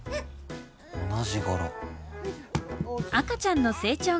同じ柄。